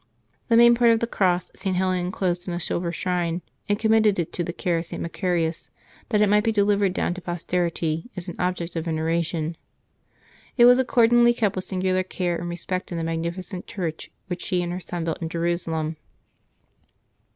The main part of the cross St. Helen inclosed in a silver shrine, and committed it to the care of St. Macarius, that it might be delivered down to posterity, as an object of veneration. It was accordingly kept with singular care and respect in the magnificent church which she and her son built in Jerusalem.